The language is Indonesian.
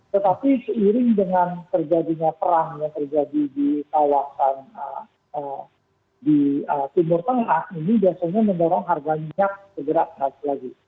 tetapi seiring dengan perang yang terjadi di timur tengah ini biasanya mendorong harga minyak bergerak naik lagi